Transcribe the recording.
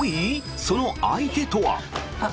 その相手とは。